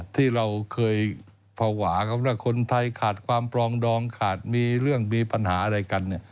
ที่เราเคยภาวะกับว่าคนไทยขาดความปลองดองขาดมีเรื่องมีปัญหาอะไรกัน